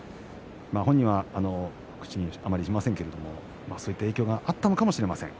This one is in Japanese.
本人は口にあまりしせんけれどもそういった影響があったのかもしれません。